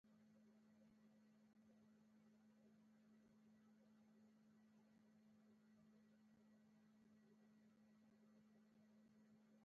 هیلۍ د شاعرانو الهام ده